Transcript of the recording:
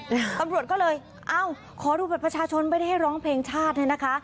ตำรวจก็เลยเอ้าขอดูบัตรประชาชนไม่ได้ให้ร้องเพลงชาติเนี่ยนะคะ